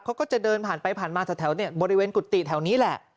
เขาก็จะเดินผ่านไปผ่านมาแถวบริเวณกุฏิแถวนี้แหละ